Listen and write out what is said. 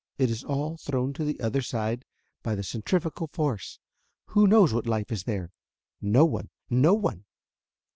It is all thrown to the other side by the centrifugal force. Who knows what life is there? No one no one!